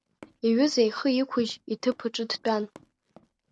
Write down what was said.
Иҩыза ихы иқәыжь иҭыԥ аҿы дтәан.